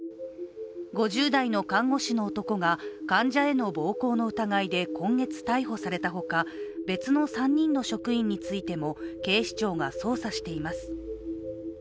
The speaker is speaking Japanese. ５０代の看護師の男が患者への暴行の疑いで今月逮捕されたほか、別の３人の職員についても警視庁が捜査しています。